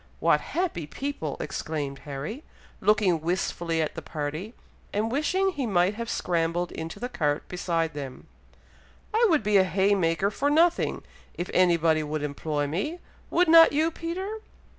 "What happy people!" exclaimed Harry, looking wistfully after the party, and wishing he might have scrambled into the cart beside them. "I would be a haymaker for nothing, if anybody would employ me; would not you, Peter?"